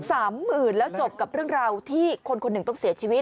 ๓๐๐๐๐บาทแล้วจบกับเรื่องราวที่คนหนึ่งต้องเสียชีวิต